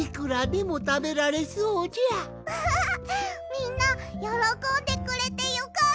みんなよろこんでくれてよかった！